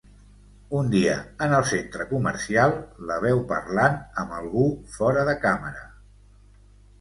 Un dia, en el centre comercial, la veu parlant amb algú fora de càmera.